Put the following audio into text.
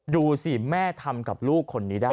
ดูสิแม่ทำกับลูกคนนี้ได้